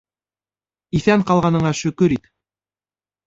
Иҫән ҡалғаныңа шөкөр ит!